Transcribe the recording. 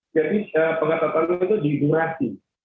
jadi pengetatan itu di durasi